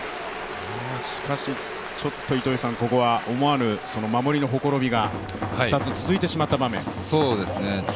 しかし、ちょっとここは思わぬ守りのほころびが２つ続いてしまった場面。